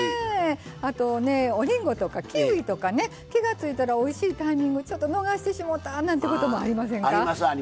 あと、おりんごとかキウイとか気が付いたらおいしいタイミング逃してしもたみたいなことありませんか。